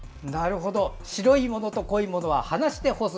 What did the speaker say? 白いものと濃いものは離して干す。